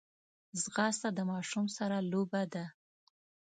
ځغاسته د ماشوم سره لوبه ده